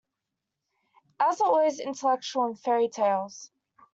Owls are always intellectual in fairy-tales.